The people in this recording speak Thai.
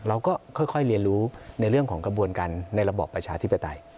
เราก็ค่อยเรียนรู้ในเรื่องของกระบวนการในระบอบประชาธิปไตย